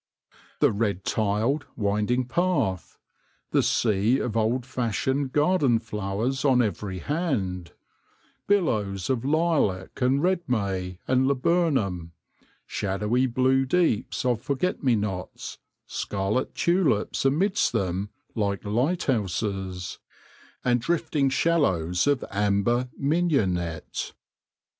The red tiled, winding path, the sea of old fashioned garden flowers on every hand, billows of lilac and red may and laburnum, shadowy blue deeps of forget me nots, scarlet tulips amidst them like lighthouses, and drifting shallows of amber mignonette.